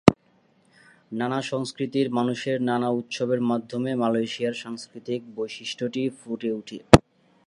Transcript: নানা সংস্কৃতির মানুষের নানা উৎসবের মাধ্যমে মালয়েশিয়ার সাংস্কৃতিক বৈশিষ্ট্যটি ফুটে ওঠে।